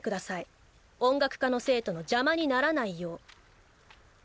音楽科の生徒の邪魔にならないよう。